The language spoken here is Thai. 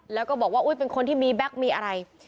แล้วก็บอกว่าอุ๊ยเป็นคนที่มีแก๊กมีอะไร